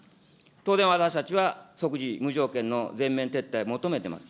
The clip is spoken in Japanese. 当然私たちは即時無条件の全面撤退求めてます。